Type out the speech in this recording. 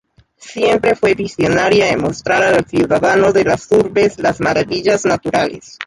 Siempre fue visionaria en mostrar al ciudadano de las urbes las maravillas naturales.